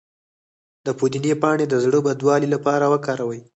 د پودینې پاڼې د زړه بدوالي لپاره وکاروئ